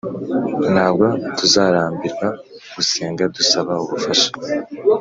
Ntabwo tuzarambirwa gusenga dusaba Ubufasha